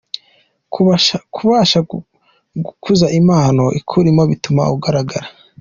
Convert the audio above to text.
Kubasha gukuza impano ikurimo bituma ugaragara.